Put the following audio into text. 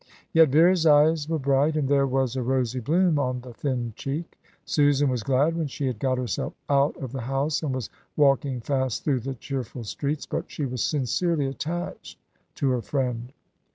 Yet Vera's eyes were bright, and there was a rosy bloom on the thin cheek. Susan was glad when she had got herself out of the house and was walking fast through the cheerful streets. But she was sincerely attached to her friend.